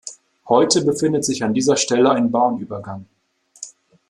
Heute befindet sich an dieser Stelle ein Bahnübergang.